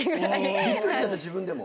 びっくりしちゃった自分でも。